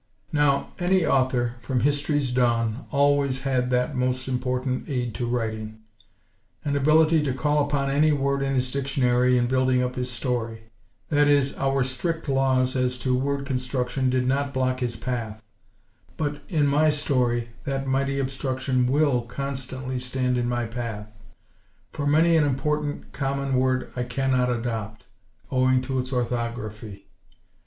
Now, any author, from history's dawn, always had that most important aid to writing: an ability to call upon any word in his dictionary in building up his story. That is, our strict laws as to word construction did not block his path. But in my story that mighty obstruction will constantly stand in my path; for many an important, common word I cannot adopt, owing to its orthography.